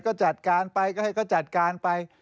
ก็จัดการไปก็ให้เขาจัดการไป